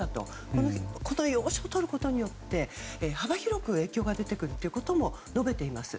この要衝をとることによって幅広く影響が出てくるとも述べています。